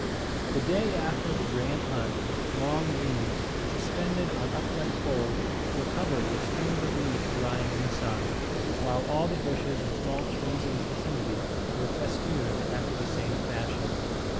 The day after the grand hunt, long rheims, suspended on upright poles, were covered with strings of meat drying in the sun, while all the bushes and small trees in the vicinity were festooned after the same fashion.